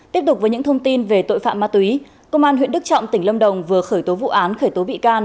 tiếp tục với những thông tin về tội phạm ma túy công an huyện đức trọng tỉnh lâm đồng vừa khởi tố vụ án khởi tố bị can